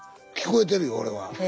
聞こえてるよ俺は。